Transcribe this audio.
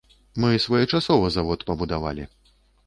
Мы своечасова завод пабудавалі.